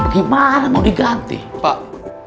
gimana mau diganti pak